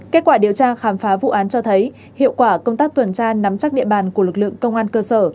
kết quả điều tra khám phá vụ án cho thấy hiệu quả công tác tuần tra nắm chắc địa bàn của lực lượng công an cơ sở